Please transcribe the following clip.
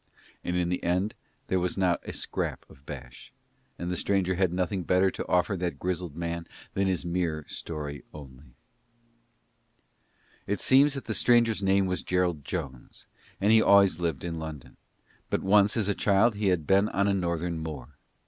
And in the end there was not a scrap of bash, and the stranger had nothing better to offer that grizzled man than his mere story only. It seems that the stranger's name was Gerald Jones, and he always lived in London; but once as a child he had been on a Northern moor.